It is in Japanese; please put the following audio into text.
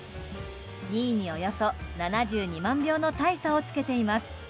２位におよそ７２万票の大差をつけています。